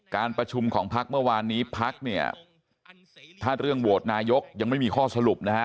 การประชุมของพักเมื่อวานนี้พักเนี่ยถ้าเรื่องโหวตนายกยังไม่มีข้อสรุปนะฮะ